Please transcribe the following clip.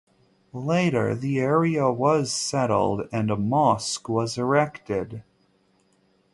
Later the area was settled and a mosque was erected.